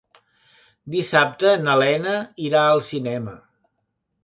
Dissabte na Lena irà al cinema.